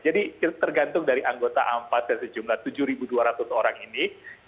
jadi tergantung dari anggota a empat dan sejumlah tujuh dua ratus orang ini